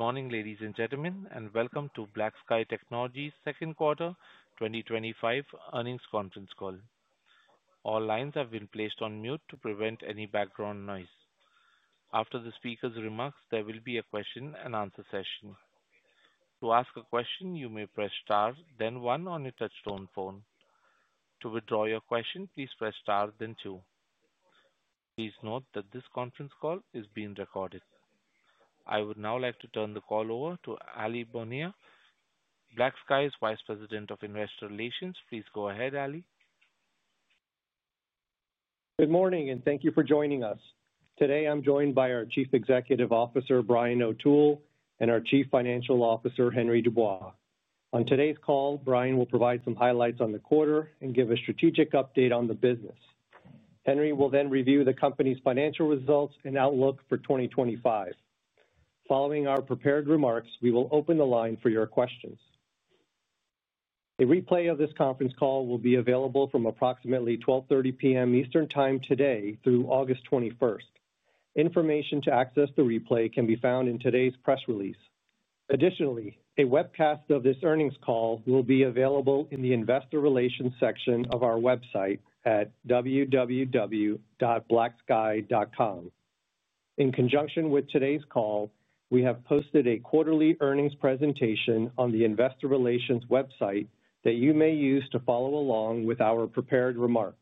Good morning, ladies and gentlemen, and welcome to BlackSky Technology's Second Quarter 2025 Earnings Conference Call. All lines have been placed on mute to prevent any background noise. After the speaker's remarks, there will be a question-and-answer session. To ask a question, you may press star, then one on your touchtone phone. To withdraw your question, please press star, then two. Please note that this conference call is being recorded. I would now like to turn the call over to Aly Bonilla, BlackSky's Vice President of Investor Relations. Please go ahead, Aly. Good morning, and thank you for joining us. Today, I'm joined by our Chief Executive Officer, Brian O'Toole, and our Chief Financial Officer, Henry Dubois. On today's call, Brian will provide some highlights on the quarter and give a strategic update on the business. Henry will then review the company's financial results and outlook for 2025. Following our prepared remarks, we will open the line for your questions. A replay of this conference call will be available from approximately 12:30 P.M. Eastern Time today through August 21st. Information to access the replay can be found in today's press release. Additionally, a webcast of this earnings call will be available in the Investor Relations section of our website at www.blacksky.com. In conjunction with today's call, we have posted a quarterly earnings presentation on the Investor Relations website that you may use to follow along with our prepared remarks.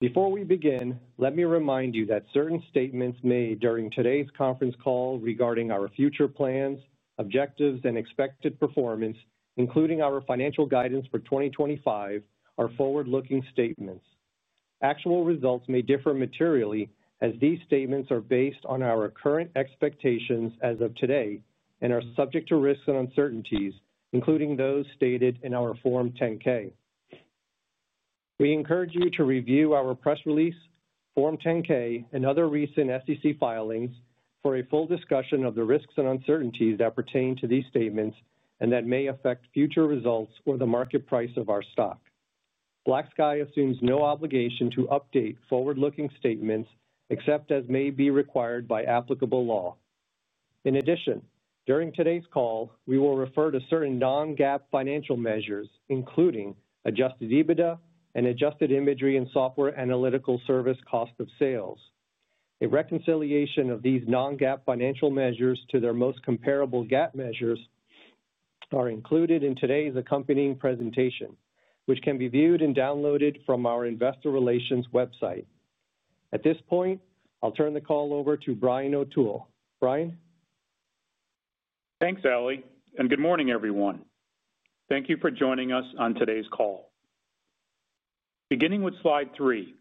Before we begin, let me remind you that certain statements made during today's conference call regarding our future plans, objectives, and expected performance, including our financial guidance for 2025, are forward-looking statements. Actual results may differ materially as these statements are based on our current expectations as of today and are subject to risks and uncertainties, including those stated in our Form 10-K. We encourage you to review our press release, Form 10-K, and other recent SEC filings for a full discussion of the risks and uncertainties that pertain to these statements and that may affect future results or the market price of our stock. BlackSky assumes no obligation to update forward-looking statements except as may be required by applicable law. In addition, during today's call, we will refer to certain non-GAAP financial measures, including adjusted EBITDA and adjusted imagery and software analytical service cost of sales. A reconciliation of these non-GAAP financial measures to their most comparable GAAP measures is included in today's accompanying presentation, which can be viewed and downloaded from our Investor Relations website. At this point, I'll turn the call over to Brian O'Toole. Brian? Thanks, Aly, and good morning, everyone. Thank you for joining us on today's call. Beginning with slide three,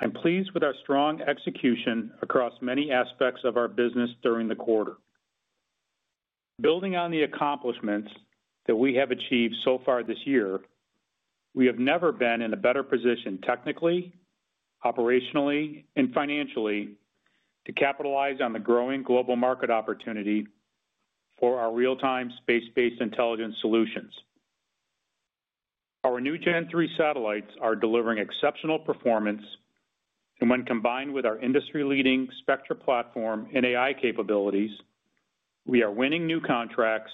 I'm pleased with our strong execution across many aspects of our business during the quarter. Building on the accomplishments that we have achieved so far this year, we have never been in a better position technically, operationally, and financially to capitalize on the growing global market opportunity for our real-time space-based intelligence solutions. Our new Gen-3 satellites are delivering exceptional performance, and when combined with our industry-leading Spectra platform and AI capabilities, we are winning new contracts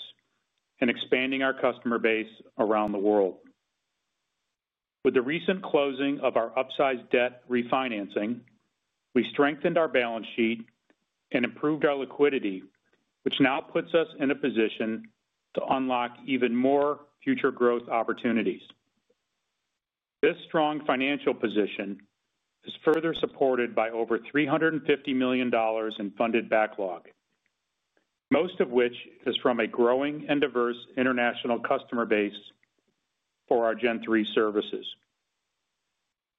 and expanding our customer base around the world. With the recent closing of our upsized debt refinancing, we strengthened our balance sheet and improved our liquidity position, which now puts us in a position to unlock even more future growth opportunities. This strong financial position is further supported by over $350 million in funded backlog, most of which is from a growing and diverse international customer base for our Gen-3 services.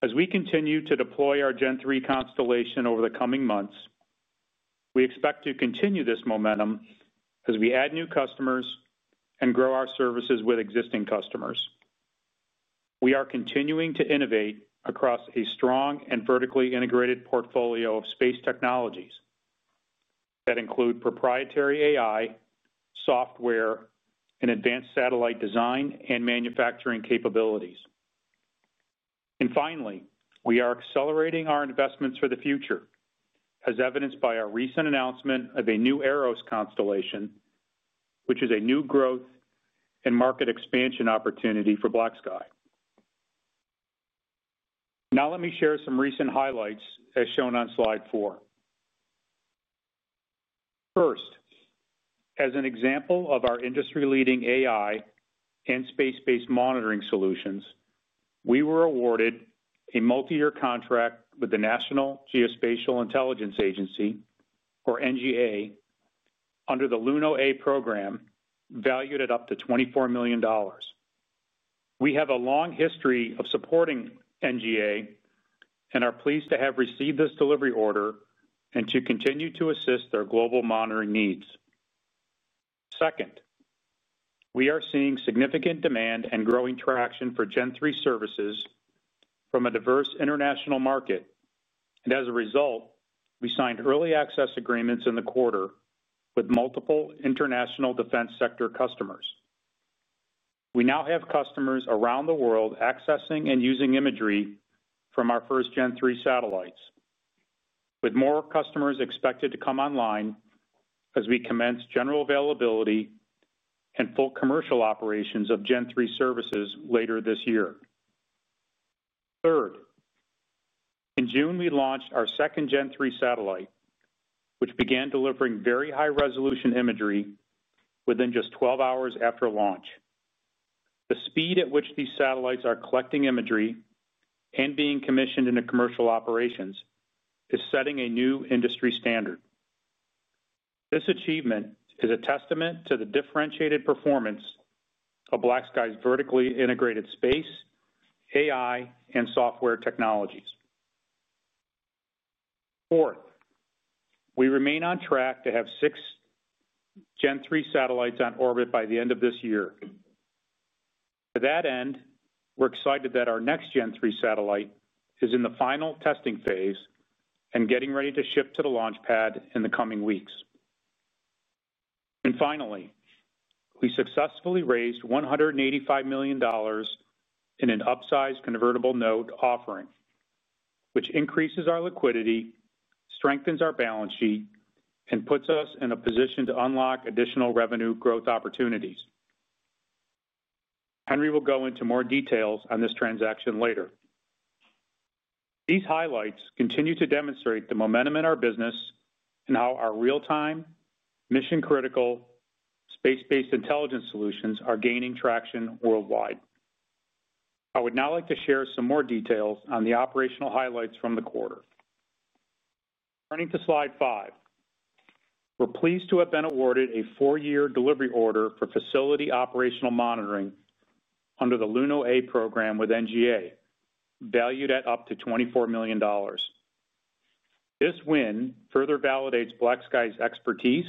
As we continue to deploy our Gen-3 constellation over the coming months, we expect to continue this momentum as we add new customers and grow our services with existing customers. We are continuing to innovate across a strong and vertically integrated portfolio of space technologies that include proprietary AI, software, and advanced satellite design and manufacturing capabilities. Finally, we are accelerating our investments for the future, as evidenced by our recent announcement of a new AROS constellation, which is a new growth and market expansion opportunity for BlackSky. Now let me share some recent highlights as shown on slide four. First, as an example of our industry-leading AI and space-based monitoring solutions, we were awarded a multi-year contract with the National Geospatial-Intelligence Agency, or NGA, under the Luno A program valued at up to $24 million. We have a long history of supporting NGA and are pleased to have received this delivery order and to continue to assist their global monitoring needs. Second, we are seeing significant demand and growing traction for Gen-3 services from a diverse international market, and as a result, we signed early access agreements in the quarter with multiple international defense sector customers. We now have customers around the world accessing and using imagery from our first Gen-3 satellites, with more customers expected to come online as we commence general availability and full commercial operations of Gen-3 services later this year. Third, in June, we launched our second Gen-3 satellite, which began delivering very high-resolution imagery within just 12 hours after launch. The speed at which these satellites are collecting imagery and being commissioned into commercial operations is setting a new industry standard. This achievement is a testament to the differentiated performance of BlackSky vertically integrated space, AI capabilities, and software technologies. Fourth, we remain on track to have six Gen-3 satellites on orbit by the end of this year. To that end, we're excited that our next Gen-3 satellite is in the final testing phase and getting ready to ship to the launch pad in the coming weeks. Finally, we successfully raised $185 million in an upsized convertible note offering, which increases our liquidity position, strengthens our balance sheet, and puts us in a position to unlock additional revenue growth opportunities. Henry Dubois will go into more details on this transaction later. These highlights continue to demonstrate the momentum in our business and how our real-time, mission-critical space-based intelligence solutions are gaining traction worldwide. I would now like to share some more details on the operational highlights from the quarter. Turning to slide five, we're pleased to have been awarded a four-year delivery order for facility operational monitoring under the Luno A program with the NGA, valued at up to $24 million. This win further validates BlackSky expertise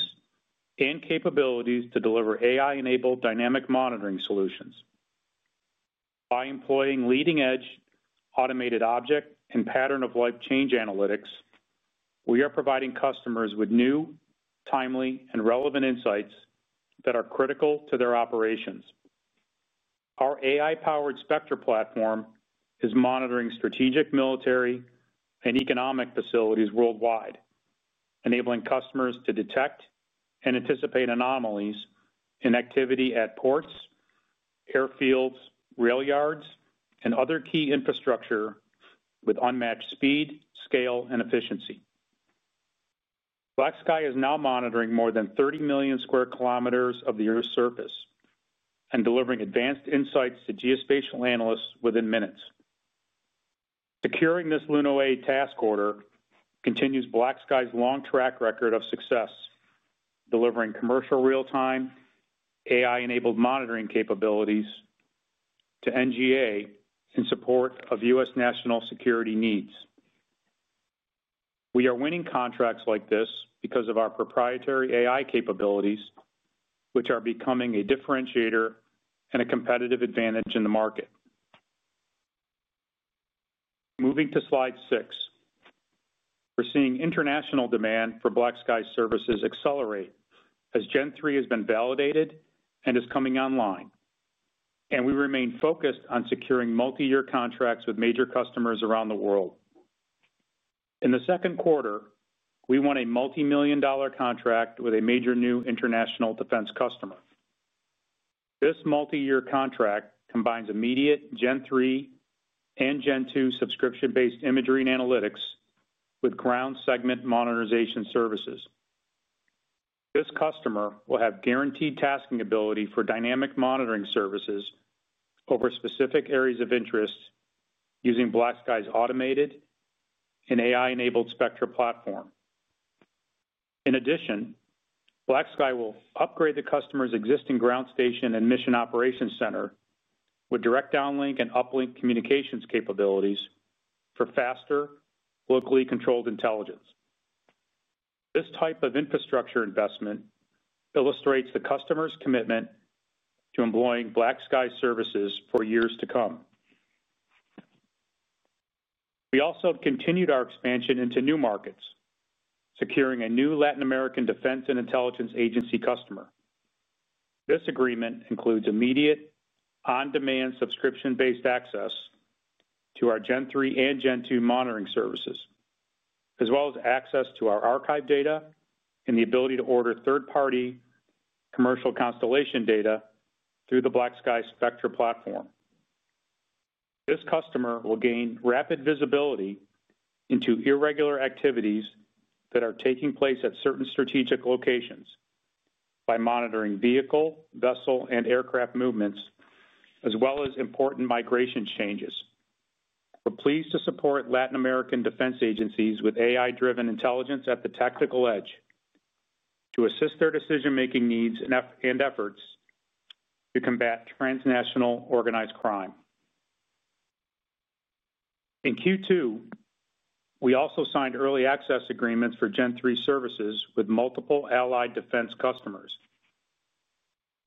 and capabilities to deliver AI-enabled dynamic monitoring solutions. By employing leading-edge automated object and pattern-of-life change analytics, we are providing customers with new, timely, and relevant insights that are critical to their operations. Our AI-powered Spectra platform is monitoring strategic military and economic facilities worldwide, enabling customers to detect and anticipate anomalies in activity at ports, airfields, rail yards, and other key infrastructure with unmatched speed, scale, and efficiency. BlackSky is now monitoring more than 30 million sq km of the Earth's surface and delivering advanced insights to geospatial analysts within minutes. Securing this Luno A task order continues BlackSky's long track record of success, delivering commercial real-time, AI-enabled monitoring capabilities to the NGA in support of U.S. national security needs. We are winning contracts like this because of our proprietary AI capabilities, which are becoming a differentiator and a competitive advantage in the market. Moving to slide six, we're seeing international demand for BlackSky services accelerate as Gen-3 has been validated and is coming online, and we remain focused on securing multi-year contracts with major customers around the world. In the second quarter, we won a multi-million dollar contract with a major new international defense customer. This multi-year contract combines immediate Gen-3 and Gen-2 subscription-based imagery and analytics with ground segment monetization services. This customer will have guaranteed tasking ability for dynamic monitoring services over specific areas of interest using BlackSky's automated and AI-enabled Spectra platform. In addition, BlackSky will upgrade the customer's existing ground station and mission operations center with direct downlink and uplink communications capabilities for faster, locally controlled intelligence. This type of infrastructure investment illustrates the customer's commitment to employing BlackSky services for years to come. We also continued our expansion into new markets, securing a new Latin American Defense and Intelligence Agency customer. This agreement includes immediate on-demand subscription-based access to our Gen-3 and Gen-2 monitoring services, as well as access to our archive data and the ability to order third-party commercial constellation data through the BlackSky Spectra platform. This customer will gain rapid visibility into irregular activities that are taking place at certain strategic locations by monitoring vehicle, vessel, and aircraft movements, as well as important migration changes. We're pleased to support Latin American defense agencies with AI-driven intelligence at the tactical edge to assist their decision-making needs and efforts to combat transnational organized crime. In Q2, we also signed early access agreements for Gen-3 services with multiple allied defense customers.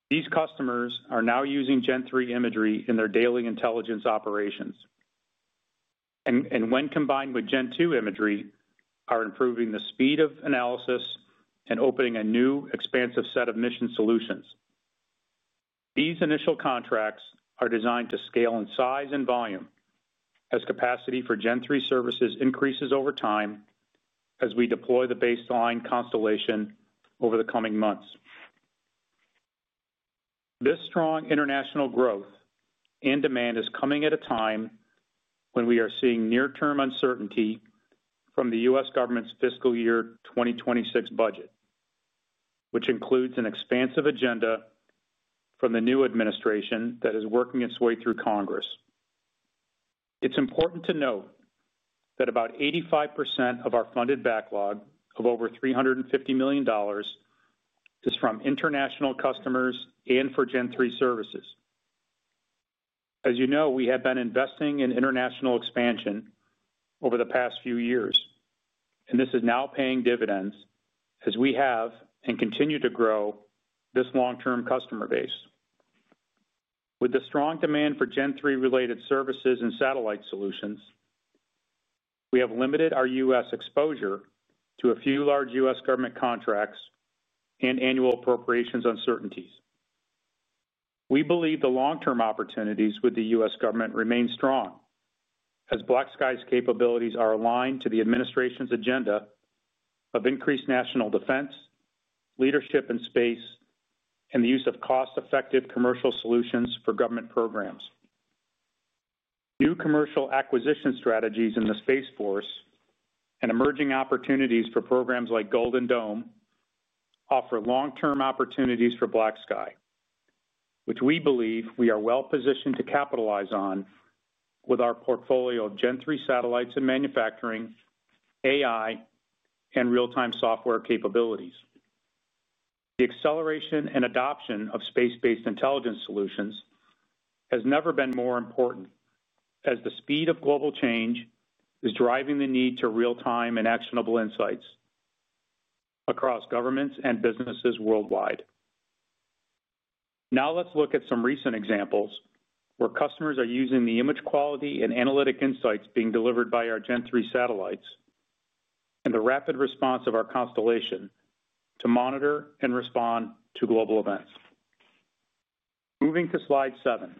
These customers are now using Gen-3 imagery in their daily intelligence operations. When combined with Gen-2 imagery, they are improving the speed of analysis and opening a new expansive set of mission solutions. These initial contracts are designed to scale in size and volume as capacity for Gen-3 services increases over time as we deploy the baseline constellation over the coming months. This strong international growth and demand is coming at a time when we are seeing near-term uncertainty from the U.S. government's fiscal year 2026 budget, which includes an expansive agenda from the new administration that is working its way through Congress. It's important to note that about 85% of our funded backlog of over $350 million is from international customers and for Gen-3 services. As you know, we have been investing in international expansion over the past few years, and this is now paying dividends as we have and continue to grow this long-term customer base. With the strong demand for Gen-3 related services and satellite solutions, we have limited our U.S. exposure to a few large U.S. government contracts and annual appropriations uncertainties. We believe the long-term opportunities with the U.S. government remain strong as BlackSky's capabilities are aligned to the administration's agenda of increased national defense, leadership in space, and the use of cost-effective commercial solutions for government programs. New commercial acquisition strategies in the Space Force and emerging opportunities for programs like Golden Dome offer long-term opportunities for BlackSky, which we believe we are well positioned to capitalize on with our portfolio of Gen-3 satellites and manufacturing, AI capabilities, and real-time software capabilities. The acceleration and adoption of space-based intelligence solutions has never been more important as the speed of global change is driving the need for real-time and actionable insights across governments and businesses worldwide. Now let's look at some recent examples where customers are using the image quality and analytic insights being delivered by our Gen-3 satellites and the rapid response of our constellation to monitor and respond to global events. Moving to slide seven,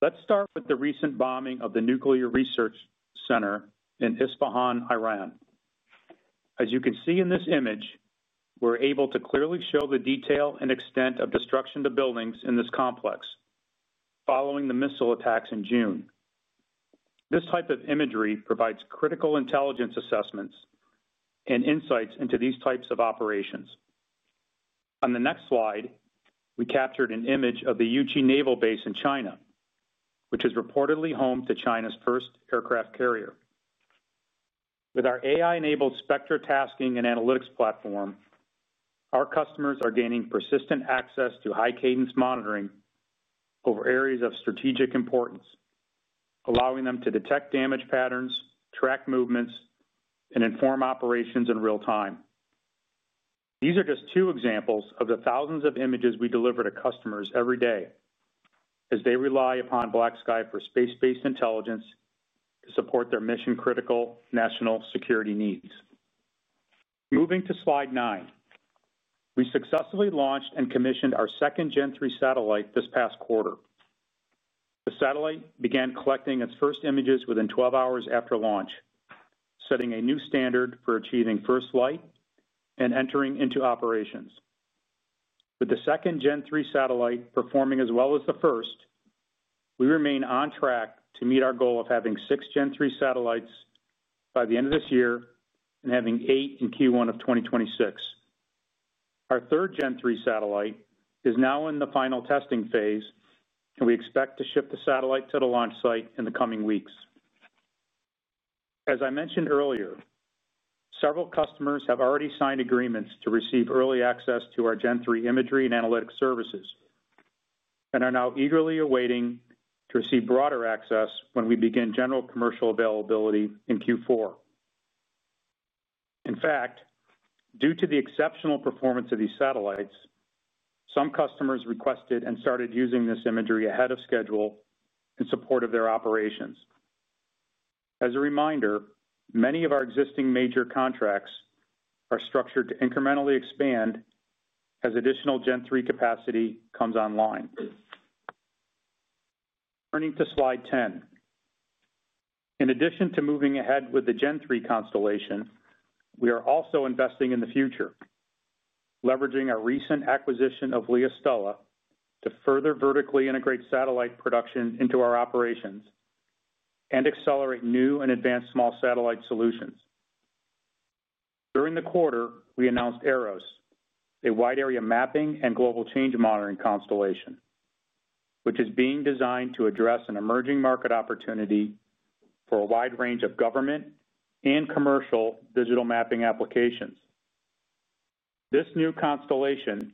let's start with the recent bombing of the nuclear research center in Isfahan, Iran. As you can see in this image, we're able to clearly show the detail and extent of destruction to buildings in this complex following the missile attacks in June. This type of imagery provides critical intelligence assessments and insights into these types of operations. On the next slide, we captured an image of the Yuchi Naval Base in China, which is reportedly home to China's first aircraft carrier. With our AI-enabled Spectra platform for tasking and analytics, our customers are gaining persistent access to high-cadence monitoring over areas of strategic importance, allowing them to detect damage patterns, track movements, and inform operations in real time. These are just two examples of the thousands of images we deliver to customers every day as they rely upon BlackSky for space-based intelligence to support their mission-critical national security needs. Moving to slide nine, we successfully launched and commissioned our second Gen-3 satellite this past quarter. The satellite began collecting its first images within 12 hours after launch, setting a new standard for achieving first flight and entering into operations. With the second Gen-3 satellite performing as well as the first, we remain on track to meet our goal of having six Gen-3 satellites by the end of this year and having eight in Q1 of 2026. Our third Gen-3 satellite is now in the final testing phase, and we expect to ship the satellite to the launch site in the coming weeks. As I mentioned earlier, several customers have already signed agreements to receive early access to our Gen-3 imagery and analytics services and are now eagerly awaiting to receive broader access when we begin general commercial availability in Q4. In fact, due to the exceptional performance of these satellites, some customers requested and started using this imagery ahead of schedule in support of their operations. As a reminder, many of our existing major contracts are structured to incrementally expand as additional Gen-3 capacity comes online. Turning to slide 10, in addition to moving ahead with the Gen-3 constellation, we are also investing in the future, leveraging a recent acquisition of LeoStella to further vertically integrate satellite production into our operations and accelerate new and advanced small satellite solutions. During the quarter, we announced AROS, a wide-area mapping and global change monitoring constellation, which is being designed to address an emerging market opportunity for a wide range of government and commercial digital mapping applications. This new constellation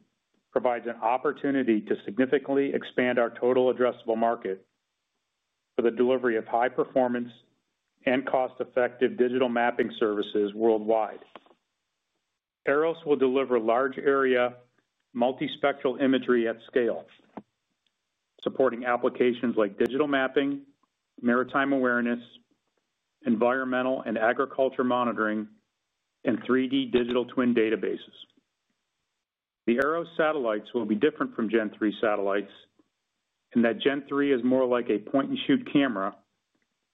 provides an opportunity to significantly expand our total addressable market for the delivery of high-performance and cost-effective digital mapping services worldwide. AROS will deliver large-area, multi-spectral imagery at scale, supporting applications like digital mapping, maritime awareness, environmental and agriculture monitoring, and 3D digital twin databases. The AROS satellites will be different from Gen-3 satellites in that Gen-3 is more like a point-and-shoot camera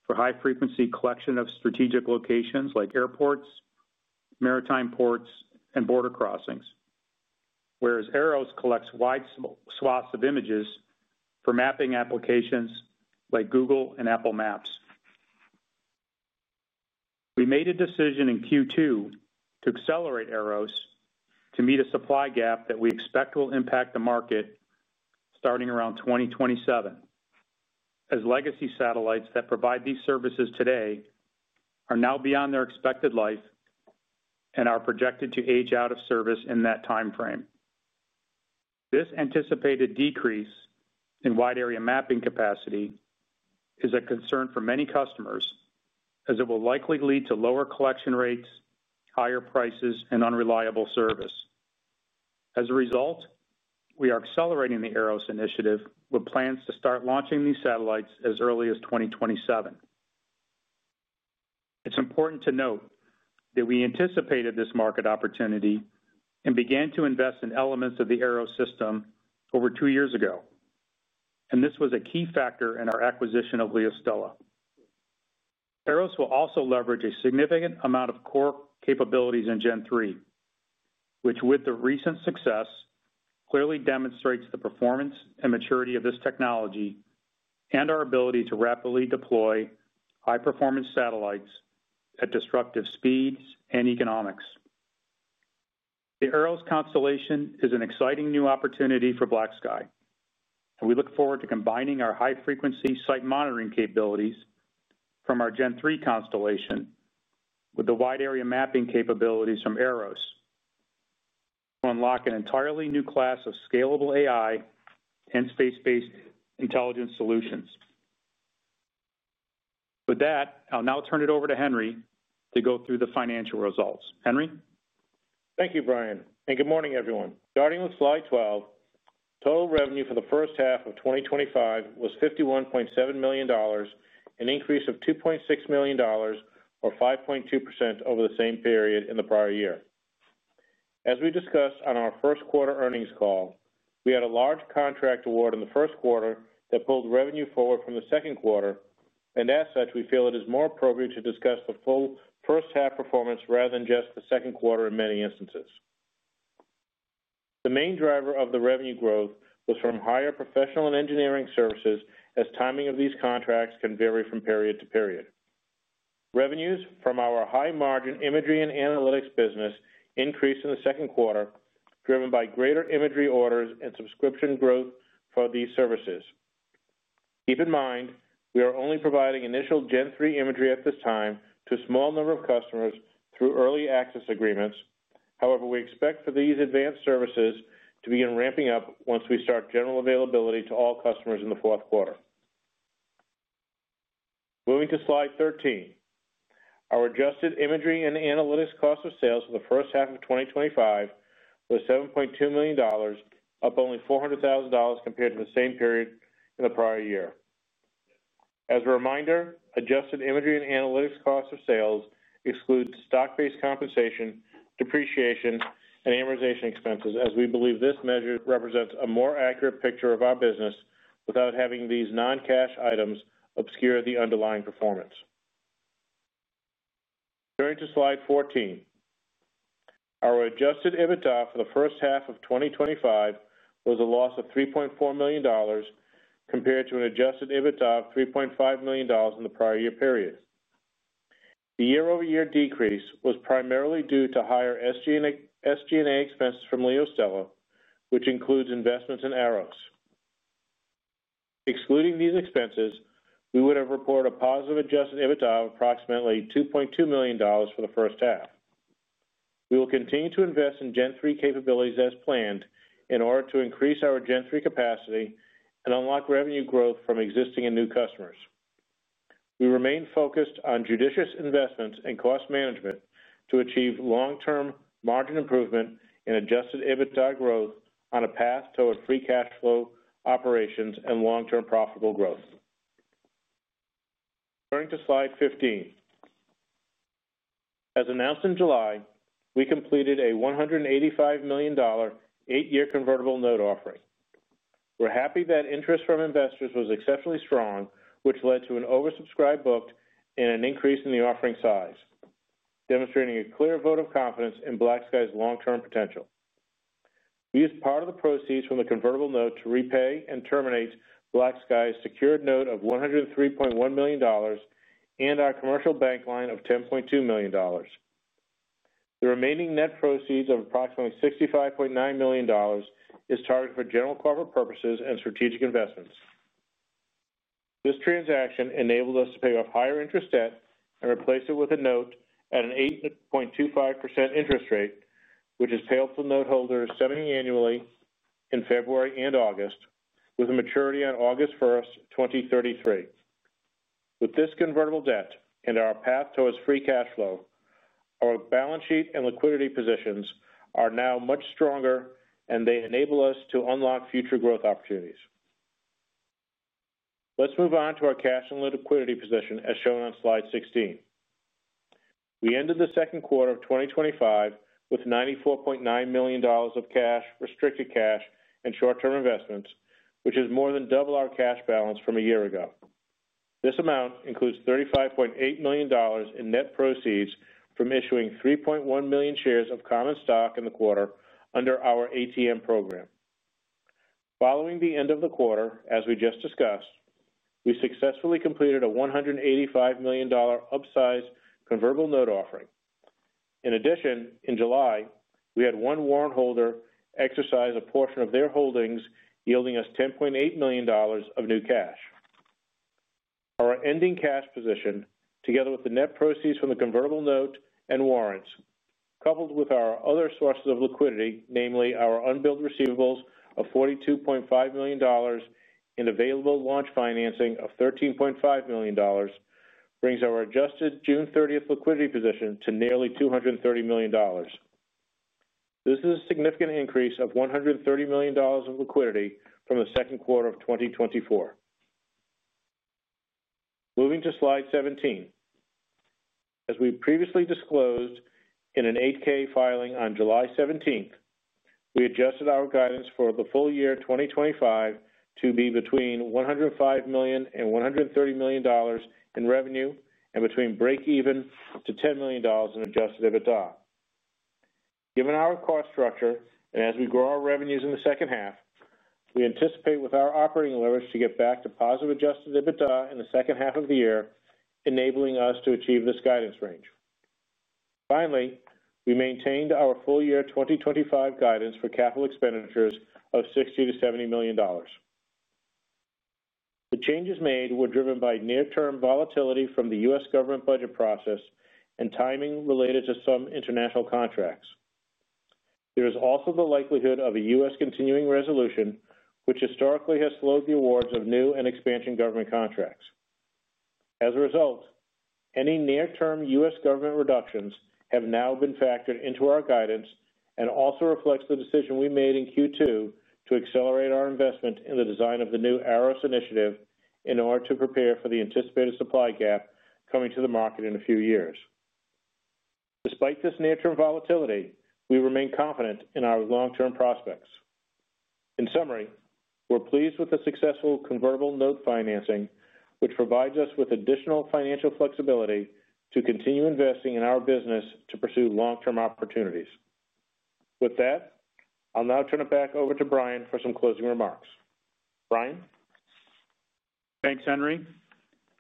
for high-frequency collection of strategic locations like airports, maritime ports, and border crossings, whereas AROS collects wide swaths of images for mapping applications like Google and Apple Maps. We made a decision in Q2 to accelerate AROS to meet a supply gap that we expect will impact the market starting around 2027, as legacy satellites that provide these services today are now beyond their expected life and are projected to age out of service in that timeframe. This anticipated decrease in wide-area mapping capacity is a concern for many customers, as it will likely lead to lower collection rates, higher prices, and unreliable service. As a result, we are accelerating the AROS initiative with plans to start launching these satellites as early as 2027. It's important to note that we anticipated this market opportunity and began to invest in elements of the AROS system over two years ago, and this was a key factor in our acquisition of LeoStella. AROS will also leverage a significant amount of core capabilities in Gen-3, which, with the recent success, clearly demonstrates the performance and maturity of this technology and our ability to rapidly deploy high-performance satellites at disruptive speeds and economics. The AROS constellation is an exciting new opportunity for BlackSky, and we look forward to combining our high-frequency site monitoring capabilities from our Gen-3 constellation with the wide-area mapping capabilities from AROS to unlock an entirely new class of scalable AI and space-based intelligence solutions. With that, I'll now turn it over to Henry to go through the financial results. Henry? Thank you, Brian, and good morning, everyone. Starting with slide 12, total revenue for the first half of 2025 was $51.7 million, an increase of $2.6 million, or 5.2% over the same period in the prior year. As we discussed on our first quarter earnings call, we had a large contract award in the first quarter that pulled revenue forward from the second quarter, and as such, we feel it is more appropriate to discuss the full first half performance rather than just the second quarter in many instances. The main driver of the revenue growth was from higher professional and engineering services, as timing of these contracts can vary from period to period. Revenues from our high-margin imagery and analytics business increased in the second quarter, driven by greater imagery orders and subscription growth for these services. Keep in mind, we are only providing initial Gen-3 imagery at this time to a small number of customers through early access agreements. However, we expect for these advanced services to begin ramping up once we start general availability to all customers in the fourth quarter. Moving to slide 13, our adjusted imagery and analytics cost of sales for the first half of 2025 was $7.2 million, up only $400,000 compared to the same period in the prior year. As a reminder, adjusted imagery and analytics cost of sales exclude stock-based compensation, depreciation, and amortization expenses, as we believe this measure represents a more accurate picture of our business without having these non-cash items obscure the underlying performance. Turning to slide 14, our adjusted EBITDA for the first half of 2025 was a loss of $3.4 million compared to an adjusted EBITDA of $3.5 million in the prior year period. The year-over-year decrease was primarily due to higher SG&A expenses from LeoStella, which includes investments in the AROS. Excluding these expenses, we would have reported a positive adjusted EBITDA of approximately $2.2 million for the first half. We will continue to invest in Gen-3 capabilities as planned in order to increase our Gen-3 capacity and unlock revenue growth from existing and new customers. We remain focused on judicious investments and cost management to achieve long-term margin improvement and adjusted EBITDA growth on a path toward free cash flow operations and long-term profitable growth. Turning to slide 15, as announced in July, we completed a $185 million eight-year convertible note offering. We're happy that interest from investors was exceptionally strong, which led to an oversubscribed book and an increase in the offering size, demonstrating a clear vote of confidence in BlackSky's long-term potential. We used part of the proceeds from the convertible note to repay and terminate BlackSky's secured note of $103.1 million and our commercial bank line of $10.2 million. The remaining net proceeds of approximately $65.9 million is targeted for general corporate purposes and strategic investments. This transaction enabled us to pay off higher interest debt and replace it with a note at an 8.25% interest rate, which is payable to noteholders semiannually in February and August, with a maturity on August 1st, 2033. With this convertible debt and our path towards free cash flow, our balance sheet and liquidity positions are now much stronger, and they enable us to unlock future growth opportunities. Let's move on to our cash and liquidity position, as shown on slide 16. We ended the second quarter of 2025 with $94.9 million of cash, restricted cash, and short-term investments, which is more than double our cash balance from a year ago. This amount includes $35.8 million in net proceeds from issuing 3.1 million shares of common stock in the quarter under our ATM program. Following the end of the quarter, as we just discussed, we successfully completed a $185 million upsized convertible note offering. In addition, in July, we had one warrant holder exercise a portion of their holdings, yielding us $10.8 million of new cash. Our ending cash position, together with the net proceeds from the convertible note and warrants, coupled with our other sources of liquidity, namely our unbilled receivables of $42.5 million and available launch financing of $13.5 million, brings our adjusted June 30th liquidity position to nearly $230 million. This is a significant increase of $130 million of liquidity from the second quarter of 2024. Moving to slide 17, as we previously disclosed in an 8-K filing on July 17, we adjusted our guidance for the full year 2025 to be between $105 million and $130 million in revenue and between breakeven to $10 million in adjusted EBITDA. Given our cost structure and as we grow our revenues in the second half, we anticipate with our operating leverage to get back to positive adjusted EBITDA in the second half of the year, enabling us to achieve this guidance range. Finally, we maintained our full year 2025 guidance for capital expenditures of $60 million-$70 million. The changes made were driven by near-term volatility from the U.S. government budget process and timing related to some international contracts. There is also the likelihood of a U.S. continuing resolution, which historically has slowed the awards of new and expansion government contracts. As a result, any near-term U.S. government reductions have now been factored into our guidance and also reflect the decision we made in Q2 to accelerate our investment in the design of the new AROS constellation initiative in order to prepare for the anticipated supply gap coming to the market in a few years. Despite this near-term volatility, we remain confident in our long-term prospects. In summary, we're pleased with the successful convertible note offering, which provides us with additional financial flexibility to continue investing in our business to pursue long-term opportunities. With that, I'll now turn it back over to Brian for some closing remarks. Brian. Thanks, Henry.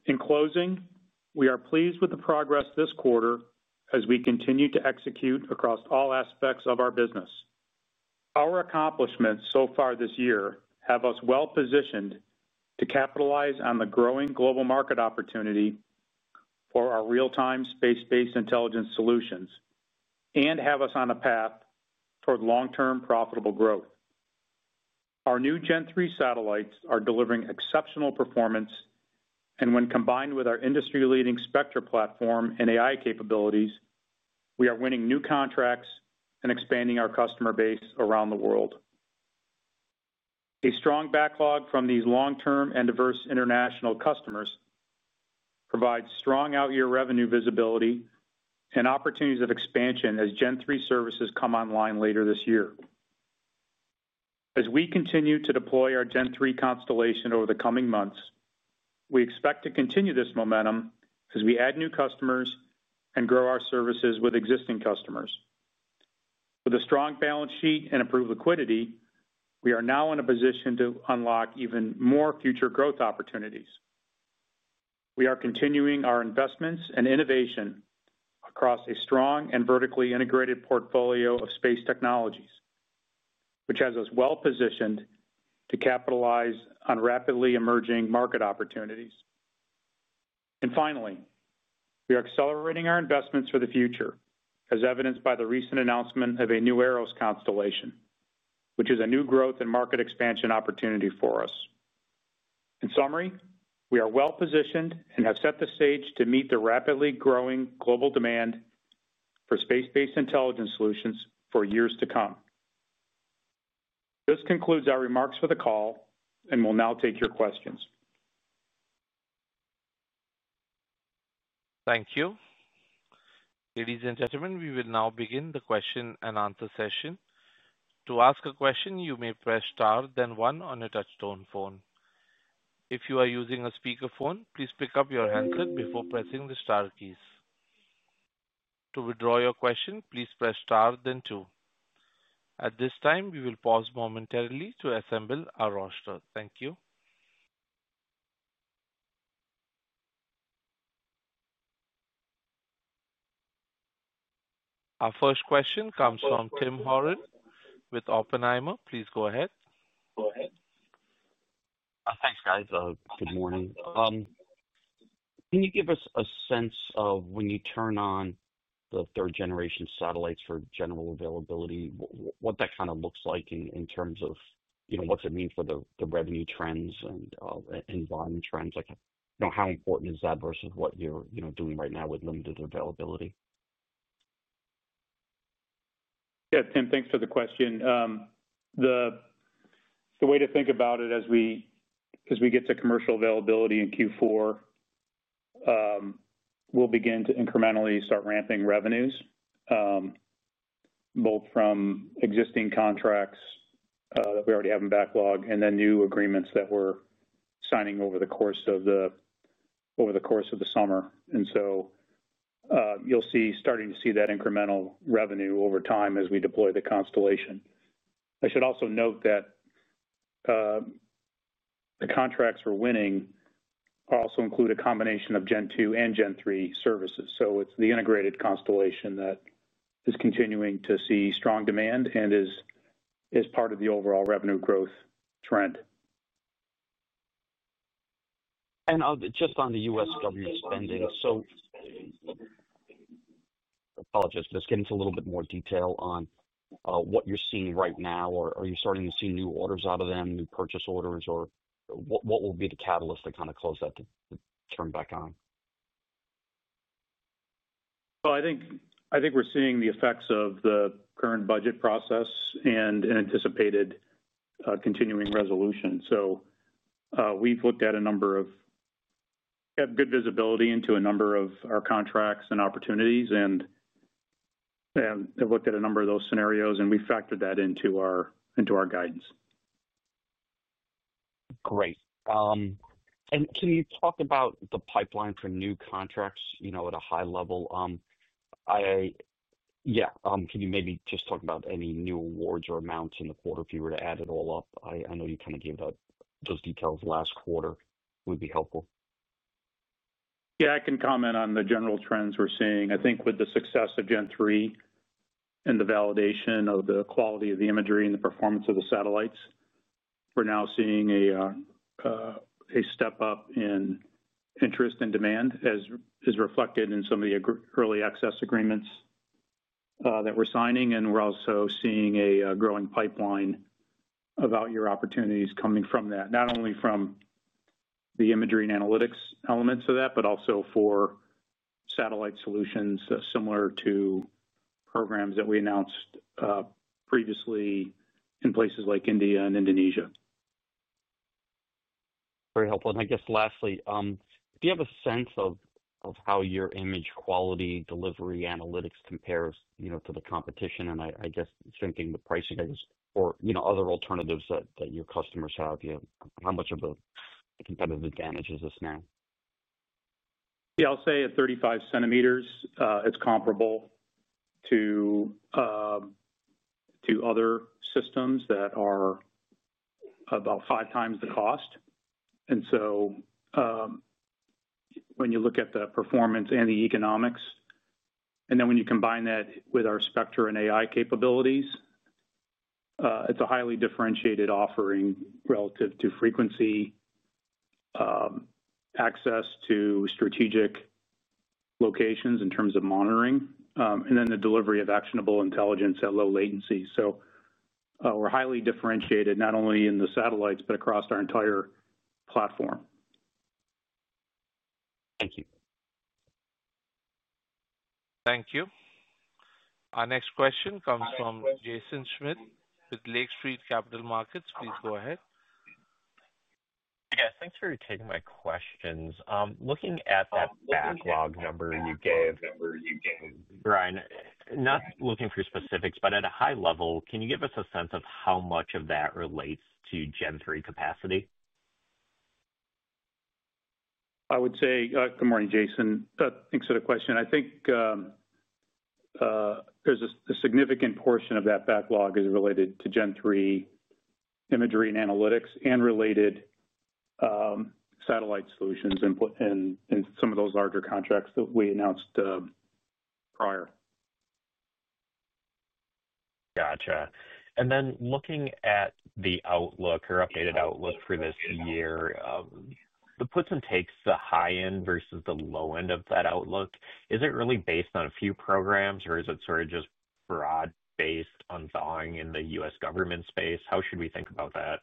In closing, we are pleased with the progress this quarter as we continue to execute across all aspects of our business. Our accomplishments so far this year have us well positioned to capitalize on the growing global market opportunity for our real-time space-based intelligence solutions and have us on a path toward long-term profitable growth. Our new Gen-3 satellites are delivering exceptional performance, and when combined with our industry-leading Spectra platform and AI capabilities, we are winning new contracts and expanding our customer base around the world. A strong backlog from these long-term and diverse international customers provides strong out-year revenue visibility and opportunities of expansion as Gen-3 services come online later this year. As we continue to deploy our Gen-3 constellation over the coming months, we expect to continue this momentum as we add new customers and grow our services with existing customers. With a strong balance sheet and approved liquidity, we are now in a position to unlock even more future growth opportunities. We are continuing our investments and innovation across a strong and vertically integrated portfolio of space technologies, which has us well positioned to capitalize on rapidly emerging market opportunities. We are accelerating our investments for the future, as evidenced by the recent announcement of a new AROS constellation, which is a new growth and market expansion opportunity for us. In summary, we are well positioned and have set the stage to meet the rapidly growing global demand for space-based intelligence solutions for years to come. This concludes our remarks for the call, and we'll now take your questions. Thank you. Ladies and gentlemen, we will now begin the question-and-answer session. To ask a question, you may press star, then one on your touch-tone phone. If you are using a speakerphone, please pick up your handset before pressing the star keys. To withdraw your question, please press star, then two. At this time, we will pause momentarily to assemble our roster. Thank you. Our first question comes from Tim Horan with Oppenheimer. Please go ahead. Thanks, guys. Good morning. Can you give us a sense of when you turn on the generation satellites for general availability, what that kind of looks like in terms of, you know, what's it mean for the revenue trends and bond trends? Like, you know, how important is that versus what you're, you know, doing right now with limited availability? Yeah, Tim, thanks for the question. The way to think about it is as we get to general availability in Q4, we'll begin to incrementally start ramping revenues, both from existing contracts that we already have in funded backlog and then new agreements that we're signing over the course of the summer. You'll start to see that incremental revenue over time as we deploy the constellation. I should also note that the contracts we're winning also include a combination of Gen-2 and Gen-3 services. It's the integrated constellation that is continuing to see strong demand and is part of the overall revenue growth trend. I'll just on the U.S. government spending. Apologize, just getting into a little bit more detail on what you're seeing right now. Are you starting to see new orders out of them, new purchase orders, or what will be the catalyst to kind of close that term back on? I think we're seeing the effects of the current budget process and anticipated continuing resolution. We've looked at a number of good visibility into a number of our contracts and opportunities and have looked at a number of those scenarios, and we've factored that into our guidance. Great. Can you talk about the pipeline for new contracts at a high level? Can you maybe just talk about any new awards or amounts in the quarter if you were to add it all up? I know you kind of gave those details last quarter. It would be helpful. Yeah, I can comment on the general trends we're seeing. I think with the success of Gen-3 and the validation of the quality of the imagery and the performance of the satellites, we're now seeing a step up in interest and demand, as is reflected in some of the early access agreements that we're signing. We're also seeing a growing pipeline of out-year opportunities coming from that, not only from the imagery and analytics elements of that, but also for satellite solutions similar to programs that we announced previously in places like India and Indonesia. Very helpful. Lastly, do you have a sense of how your image quality, delivery, and analytics compare to the competition? Shrinking the pricing is, or other alternatives that your customers have, how much of a competitive advantage is this now? At 35 cm, it's comparable to other systems that are about five times the cost. When you look at the performance and the economics, and then when you combine that with our Spectra and AI capabilities, it's a highly differentiated offering relative to frequency, access to strategic locations in terms of monitoring, and the delivery of actionable intelligence at low latency. We're highly differentiated, not only in the satellites, but across our entire platform. Thank you. Thank you. Our next question comes from Jaeson Schmidt with Lake Street Capital Markets. Please go ahead. Yes, thanks for taking my questions. Looking at that backlog number you gave, Brian, not looking for specifics, but at a high level, can you give us a sense of how much of that relates to Gen-3 capacity? I would say, good morning, Jaeson. Thanks for the question. I think there's a significant portion of that backlog that is related to Gen-3 imagery and analytics and related satellite solutions, and some of those larger contracts that we announced prior. Gotcha. Looking at the outlook or updated outlook for this year, the puts and takes, the high end versus the low end of that outlook, is it really based on a few programs or is it sort of just broad-based on thawing in the U.S. government space? How should we think about that?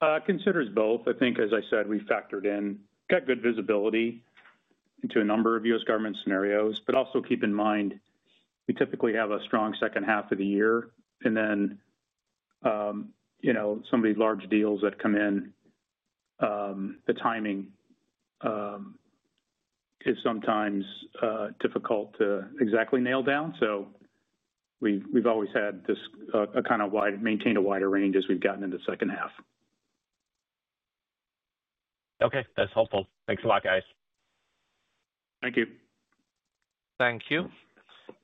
I think, as I said, we factored in, got good visibility into a number of U.S. government scenarios, but also keep in mind we typically have a strong second half of the year. You know, some of these large deals that come in, the timing is sometimes difficult to exactly nail down. We have always had this kind of maintained a wider range as we've gotten into the second half. Okay, that's helpful. Thanks a lot, guys. Thank you. Thank you.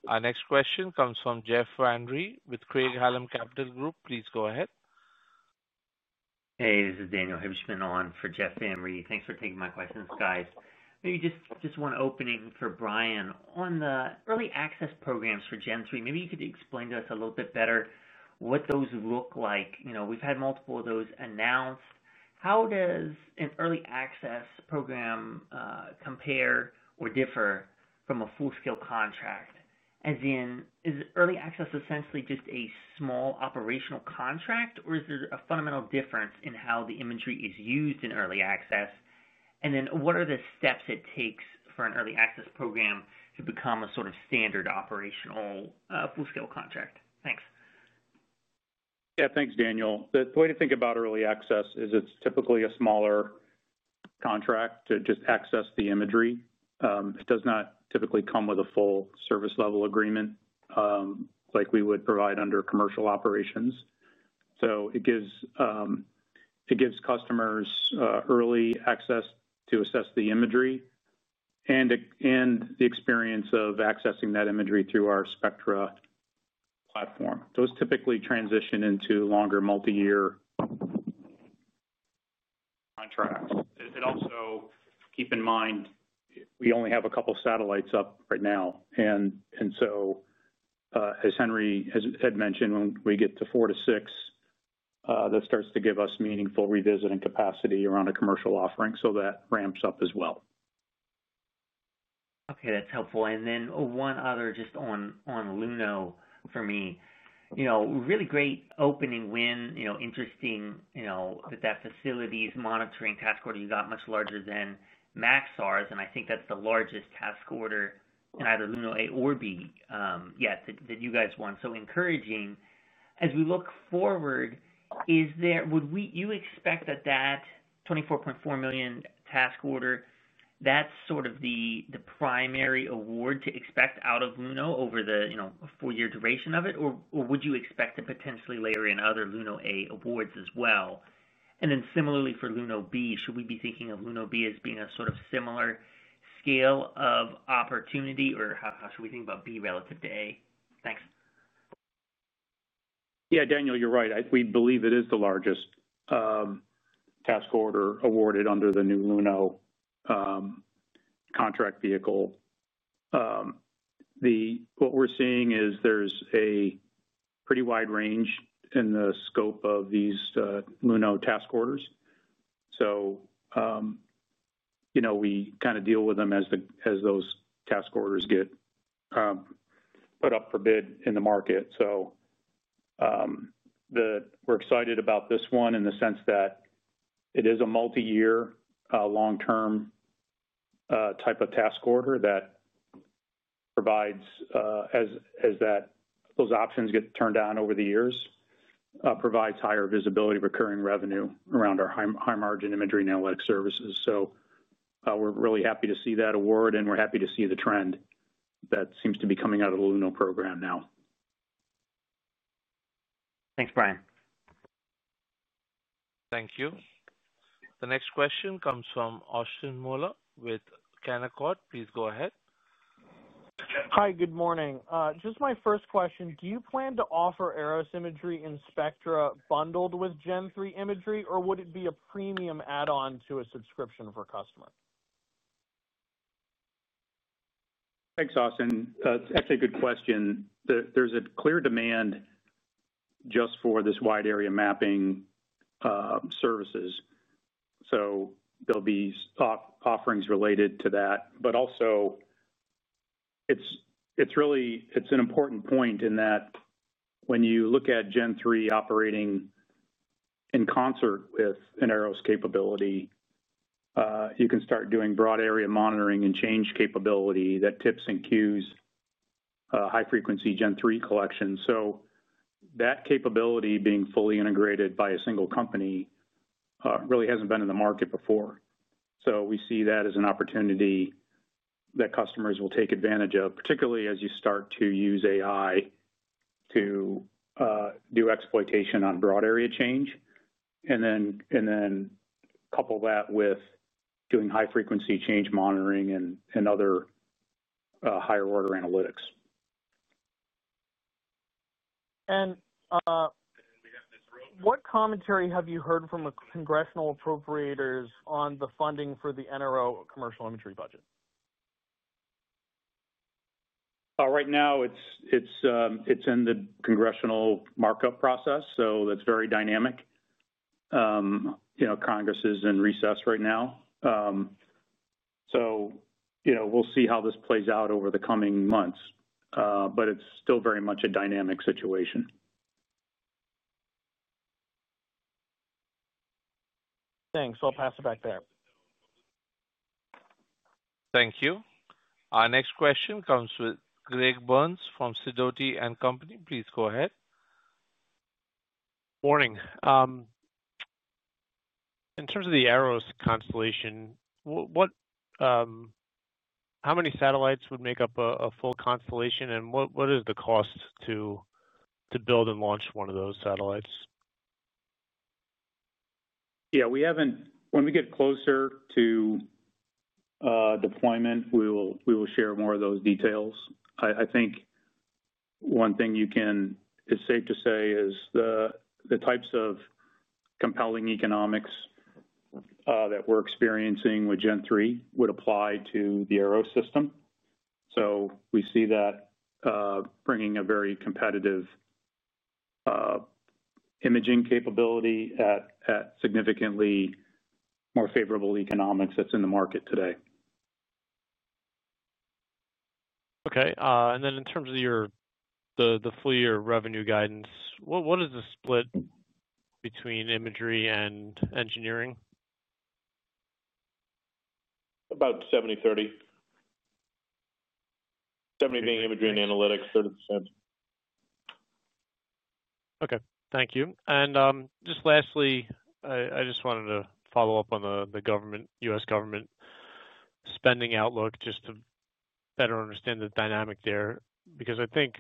Our next question comes from Jeff Henry with Craig-Hallum Capital Group. Please go ahead. Hey, this is Daniel Hibshman on for Jeff Henry. Thanks for taking my questions, guys. Maybe just one opening for Brian on the early access programs for Gen-3 satellites. Maybe you could explain to us a little bit better what those look like. You know, we've had multiple of those announced. How does an early access program compare or differ from a full-scale contract? As in, is early access essentially just a small operational contract, or is there a fundamental difference in how the imagery is used in early access? What are the steps it takes for an early access program to become a sort of standard operational full-scale contract? Thanks. Yeah, thanks, Daniel. The way to think about early access is it's typically a smaller contract to just access the imagery. It does not typically come with a full service level agreement, like we would provide under commercial operations. It gives customers early access to assess the imagery and the experience of accessing that imagery through our Spectra platform. Those typically transition into longer multi-year contracts. Also, keep in mind, we only have a couple of satellites up right now. As Henry had mentioned, when we get to four to six, that starts to give us meaningful revisit and capacity around a commercial offering. That ramps up as well. Okay, that's helpful. One other just on Luno for me, really great opening win, interesting that facilities monitoring task order you got, much larger than Maxar's. I think that's the largest task order in either Luno A or B yet that you guys won, so encouraging. As we look forward, would you expect that $24.4 million task order, that's sort of the primary award to expect out of Luno over the four-year duration of it? Or would you expect to potentially layer in other Luno A awards as well? Similarly, for Luno B, should we be thinking of Luno B as being a sort of similar scale of opportunity, or how should we think about B relative to A? Thanks. Yeah, Daniel, you're right. We believe it is the largest task order awarded under the new Luno contract vehicle. What we're seeing is there's a pretty wide range in the scope of these Luno task orders. We kind of deal with them as those task orders get put up for bid in the market. We're excited about this one in the sense that it is a multi-year, long-term type of task order that provides, as those options get turned on over the years, higher visibility of recurring revenue around our high-margin imagery and analytics services. We're really happy to see that award, and we're happy to see the trend that seems to be coming out of the Luno program now. Thanks, Brian. Thank you. The next question comes from Austin Moeller with Canaccord. Please go ahead. Hi, good morning. Just my first question. Do you plan to offer AROS constellation imagery in Spectra bundled with Gen-3 satellites imagery, or would it be a premium add-on to a subscription for customers? Thanks, Austin. That's actually a good question. There's a clear demand just for this wide-area mapping services. There'll be offerings related to that. It's really, it's an important point in that when you look at Gen-3 operating in concert with an AROS constellation capability, you can start doing broad-area monitoring and change capability that tips and cues high-frequency Gen-3 collections. That capability being fully integrated by a single company really hasn't been in the market before. We see that as an opportunity that customers will take advantage of, particularly as you start to use AI to do exploitation on broad-area change. Couple that with doing high-frequency change monitoring and other higher order analytics. What commentary have you heard from the congressional appropriators on the funding for the NRO commercial imagery budget? Right now, it's in the congressional markup process, so that's very dynamic. Congress is in recess right now, so we'll see how this plays out over the coming months. It's still very much a dynamic situation. Thanks. I'll pass it back there. Thank you. Our next question comes from Greg Burns from Sidoti & Company. Please go ahead. Morning. In terms of the AROS constellation, how many satellites would make up a full constellation, and what is the cost to build and launch one of those satellites? Yeah, we haven't, when we get closer to deployment, we will share more of those details. I think one thing you can, is safe to say, is the types of compelling economics that we're experiencing with Gen-3 would apply to the AROS constellation. We see that bringing a very competitive imaging capability at significantly more favorable economics that's in the market today. Okay. In terms of your full-year revenue guidance, what is the split between imagery and engineering? About 70%, 30%. 70% being imagery and analytics, 30%. Okay. Thank you. Lastly, I just wanted to follow up on the U.S. government spending outlook just to better understand the dynamic there. I think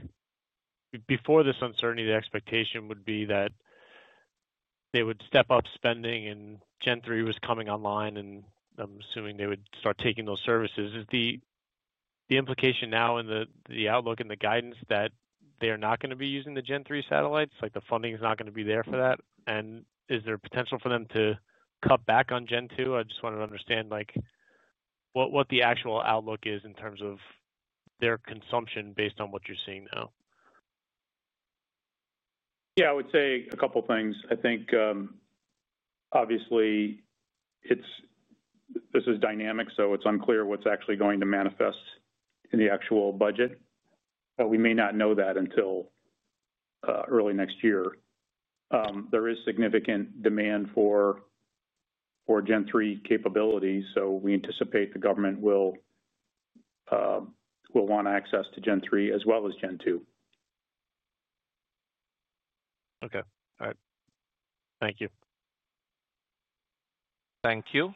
before this uncertainty, the expectation would be that they would step up spending and Gen-3 was coming online, and I'm assuming they would start taking those services. Is the implication now in the outlook and the guidance that they are not going to be using the Gen-3 satellites? Like the funding is not going to be there for that. Is there a potential for them to cut back on Gen-2? I just wanted to understand what the actual outlook is in terms of their consumption based on what you're seeing now. Yeah, I would say a couple of things. I think obviously this is dynamic, so it's unclear what's actually going to manifest in the actual budget. We may not know that until early next year. There is significant demand for Gen-3 capabilities, so we anticipate the government will want access to Gen-3 as well as Gen-2. Okay. All right. Thank you. Thank you.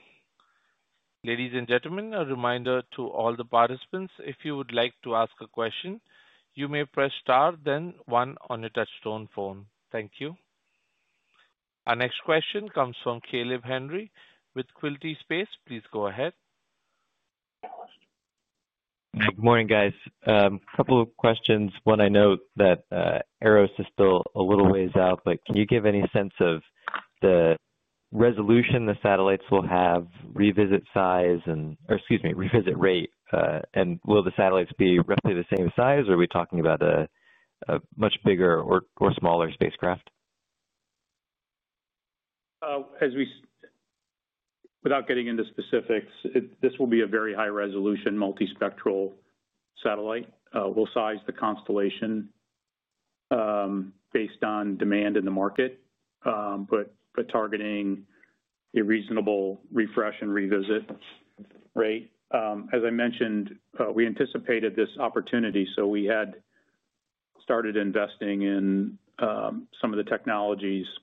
Ladies and gentlemen, a reminder to all the participants, if you would like to ask a question, you may press star, then one on your touchstone phone. Thank you. Our next question comes from Caleb Henry with Quilty Space. Please go ahead. Good morning, guys. A couple of questions. One, I note that AROS is still a little ways out, but can you give any sense of the resolution the satellites will have, revisit size, or, excuse me, revisit rate? Will the satellites be roughly the same size, or are we talking about a much bigger or smaller spacecraft? Without getting into specifics, this will be a very high-resolution multi-spectral satellite. We'll size the constellation based on demand in the market, targeting a reasonable refresh and revisit rate. As I mentioned, we anticipated this opportunity, so we had started investing in some of the technologies for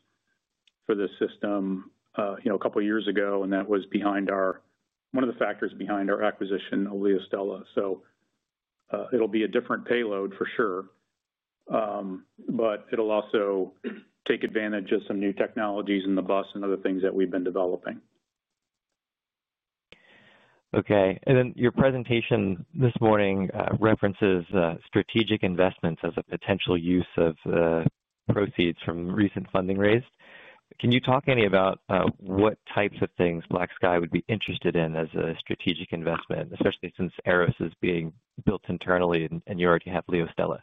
this system a couple of years ago, and that was one of the factors behind our acquisition of LeoStella. It'll be a different payload for sure, but it'll also take advantage of some new technologies in the bus and other things that we've been developing. Okay. Your presentation this morning references strategic investments as a potential use of the proceeds from recent funding raised. Can you talk any about what types of things BlackSky would be interested in as a strategic investment, especially since AROS is being built internally and you already have LeoStella?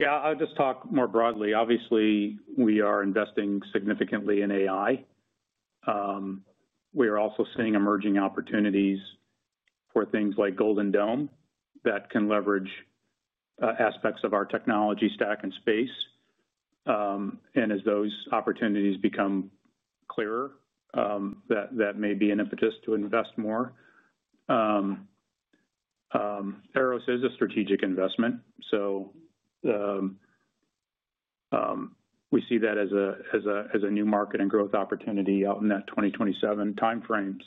Yeah, I'll just talk more broadly. Obviously, we are investing significantly in AI. We are also seeing emerging opportunities for things like Golden Dome that can leverage aspects of our technology stack and space. As those opportunities become clearer, that may be an impetus to invest more. AROS is a strategic investment, so we see that as a new market and growth opportunity out in that 2027 timeframe.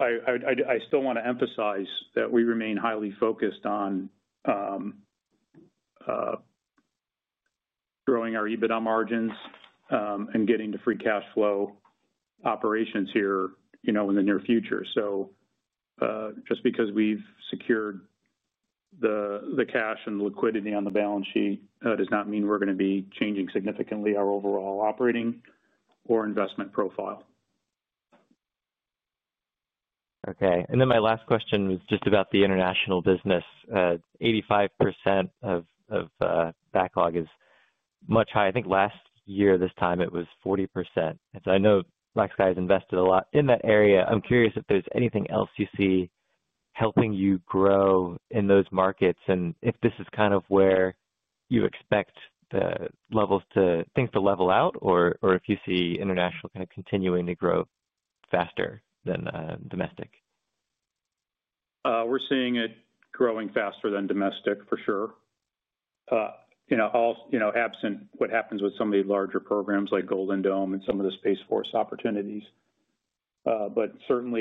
I still want to emphasize that we remain highly focused on growing our EBITDA margins and getting to free cash flow operations here in the near future. Just because we've secured the cash and the liquidity on the balance sheet does not mean we're going to be changing significantly our overall operating or investment profile. Okay. My last question was just about the international business. 85% of backlog is much higher. I think last year this time it was 40%. I know BlackSky has invested a lot in that area. I'm curious if there's anything else you see helping you grow in those markets and if this is kind of where you expect the levels to level out or if you see international kind of continuing to grow faster than domestic. We're seeing it growing faster than domestic for sure. Absent what happens with some of the larger programs like Golden Dome and some of the Space Force opportunities,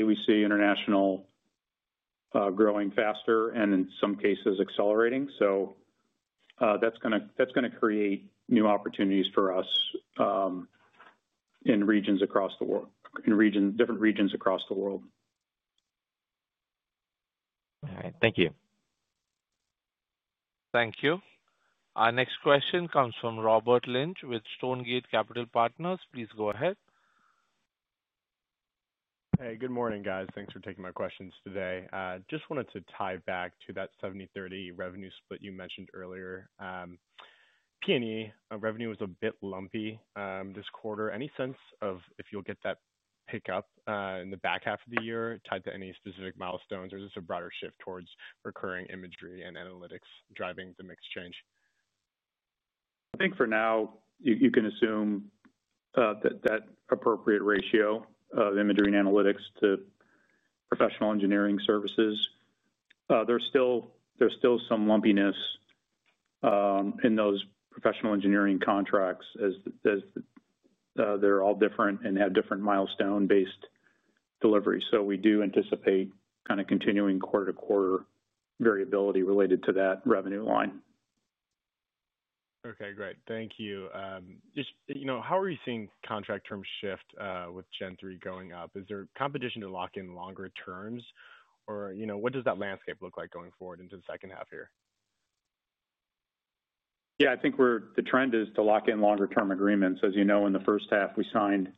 we see international growing faster and in some cases accelerating. That's going to create new opportunities for us in regions across the world, in different regions across the world. All right. Thank you. Thank you. Our next question comes from Robert Lynch with Stonegate Capital Partners. Please go ahead. Hey, good morning, guys. Thanks for taking my questions today. I just wanted to tie back to that 70%, 30% revenue split you mentioned earlier. P&E revenue was a bit lumpy this quarter. Any sense of if you'll get that pickup in the back half of the year tied to any specific milestones, or is this a broader shift towards recurring imagery and analytics driving the mix change? I think for now you can assume that that appropriate ratio of imagery and analytics to professional engineering services. There's still some lumpiness in those professional engineering contracts, as they're all different and have different milestone-based deliveries. We do anticipate kind of continuing quarter-to-quarter variability related to that revenue line. Okay, great. Thank you. Just, you know, how are you seeing contract terms shift with Gen-3 going up? Is there competition to lock in longer terms, or, you know, what does that landscape look like going forward into the second half here? Yeah, I think the trend is to lock in longer-term agreements. As you know, in the first half, we signed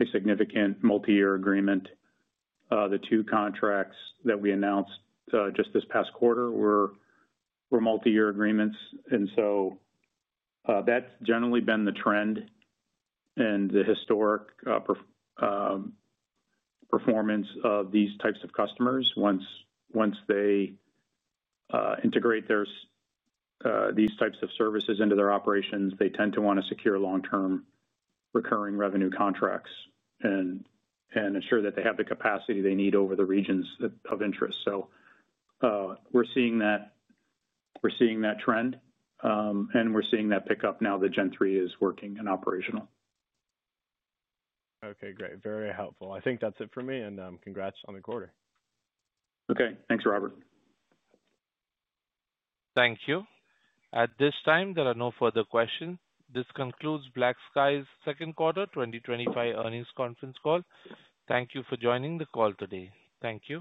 a significant multi-year agreement. The two contracts that we announced just this past quarter were multi-year agreements. That's generally been the trend and the historic performance of these types of customers. Once they integrate these types of services into their operations, they tend to want to secure long-term recurring revenue contracts and ensure that they have the capacity they need over the regions of interest. We're seeing that trend, and we're seeing that pickup now that Gen-3 is working and operational. Okay, great. Very helpful. I think that's it for me, and congrats on the quarter. Okay, thanks, Robert. Thank you. At this time, there are no further questions. This concludes BlackSky's Second Quarter 2025 Earnings Conference Call. Thank you for joining the call today. Thank you.